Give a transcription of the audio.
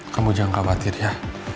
kamu jangan khawatir ya